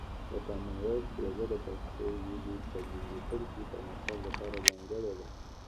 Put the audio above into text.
د کامن وایس پروژه د پښتو ژبې په ډیجیټل کې پرمختګ لپاره ځانګړې ده.